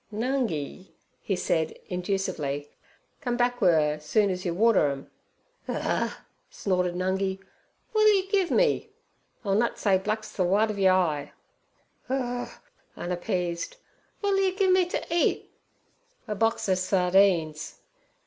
'Nungi' he said inducively, 'come beck wi' 'er soon ez yer water 'em.' 'Urh!' snorted Nungi, 'w'at'll yer gimme?' 'I'll nut say black's ther w'ite ov yer eye.' 'Urh!' unappeased. 'W'at'll yer gimme ter eat?' 'A box ov sardines.'